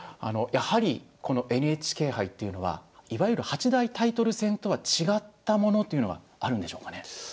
あのやはりこのＮＨＫ杯っていうのはいわゆる８大タイトル戦とは違ったものというのがあるんでしょうかね。